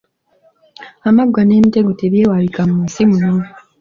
Amaggwa n’emitego tebyewalika mu nsi muno.